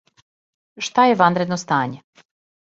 Шта је ванредно стање?